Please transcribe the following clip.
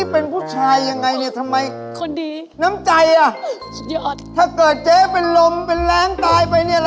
เป็นอะไรฟอยติดคล้องเนี่ย